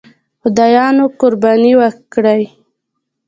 خدایانو قرباني وکړي.